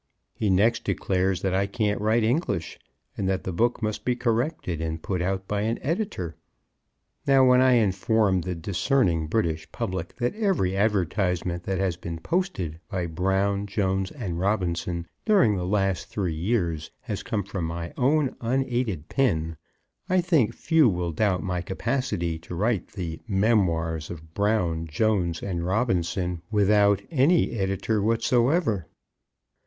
He next declares that I can't write English, and that the book must be corrected, and put out by an editor? Now, when I inform the discerning British Public that every advertisement that has been posted by Brown, Jones, and Robinson, during the last three years has come from my own unaided pen, I think few will doubt my capacity to write the "Memoirs of Brown, Jones, and Robinson," without any editor whatsoever.